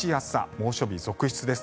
猛暑日続出です。